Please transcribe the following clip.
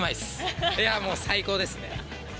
もう最高ですね。